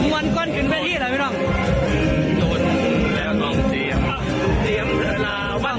มันก้นกินไปที่อะไรไม่น่ะ